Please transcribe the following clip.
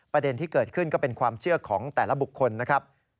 ประเด็นที่เกิดขึ้นก็เป็นความเชื่อของแต่ละบุคคลนะครับ